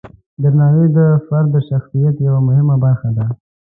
درناوی د فرد د شخصیت یوه مهمه برخه ده.